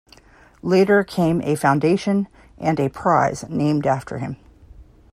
Later came a foundation and a prize named after him.